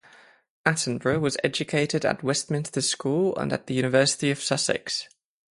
Attenborough was educated at Westminster School and at the University of Sussex.